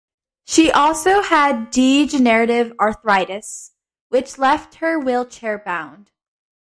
She also had degenerative arthritis, which left her wheelchair-bound.